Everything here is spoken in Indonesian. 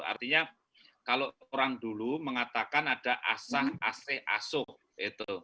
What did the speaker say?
artinya kalau orang dulu mengatakan ada asah ac asuh gitu